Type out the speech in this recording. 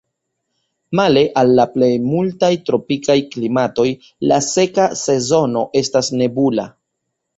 Male al la plej multaj tropikaj klimatoj la seka sezono estas nebula.